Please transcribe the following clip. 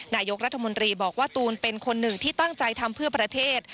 นายกรัฐมนตรีบอกว่าตูนเป็นคนหนึ่งที่ตั้งใจทำเพื่อประเทศ